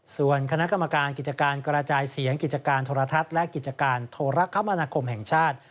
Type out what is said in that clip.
ส่วนคณะกรรมการกิจการกระจายเสียงกิจการโทรทัศน์และกิจการโทรคมนาคมแห่งชาติ